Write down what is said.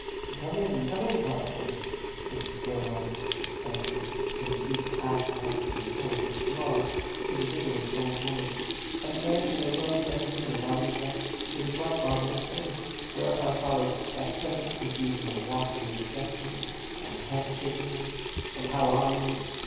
"Come in, come in, godson!" Mrs. Irwine answered, in the deep half masculine tone which belongs to the vigorous old woman, and there entered a young gentleman in a riding dress, with his right arm in a sling; whereupon followed that pleasant confusion of laughing interjections, and hand shakings, and "How are you's?"